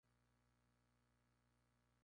En la actualidad se rueda la quinta temporada.